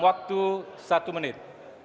waktu satu menit